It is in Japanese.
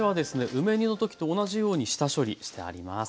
梅煮の時と同じように下処理してあります。